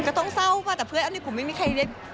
ก็ต้องเศร้าป่ะแต่เพื่อนอันนี้ผมไม่มีใครได้